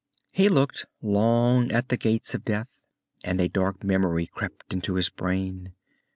He looked long at the Gates of Death, and a dark memory crept into his brain.